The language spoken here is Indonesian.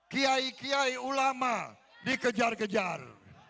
kiai kiai ulama dikejar kejar